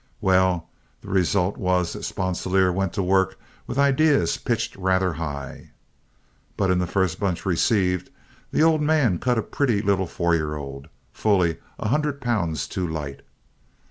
Well, the result was that Sponsilier went to work with ideas pitched rather high. But in the first bunch received, the old man cut a pretty little four year old, fully a hundred pounds too light.